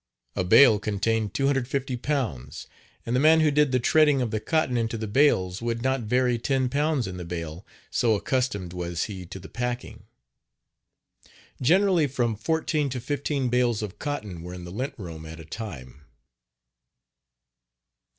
A bale contained 250 pounds, and the man who did the treading of the cotton into the bales would not vary ten pounds in the bale, so accustomed was he to the packing. Generally from fourteen to fifteen bales of cotton were in the lint room at a time.